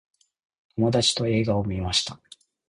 友達と映画を観ました。